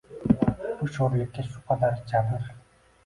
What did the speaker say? Bir sho‘rlikka shu qadar jabr